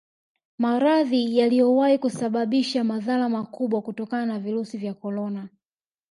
Maradhi yaliyowahi kusababisha madhara makubwa kutokana na virusi vya Corona